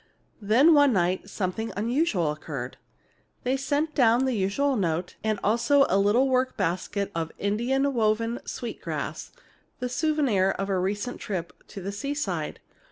Then, one night, something unusual occurred. They had sent down the usual note, and also a little work basket of Indian woven sweet grass, the souvenir of a recent trip to the seaside.